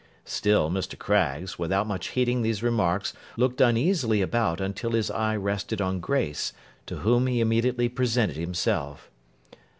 Still, Mr. Craggs, without much heeding these remarks, looked uneasily about until his eye rested on Grace, to whom he immediately presented himself.